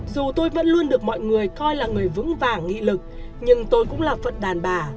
dù tôi vẫn luôn được mọi người coi là người vững vàng nghị lực nhưng tôi cũng là phật đàn bà